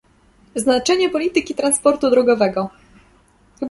Znaczenie polityki transportu drogowego